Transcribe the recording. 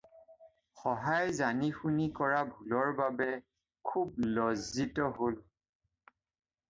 শহাই জানি শুনি কৰা ভুলৰ বাবে খুব লজ্জিত হ'ল।